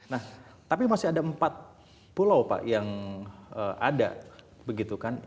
nah tapi masih ada empat pulau pak yang ada begitu kan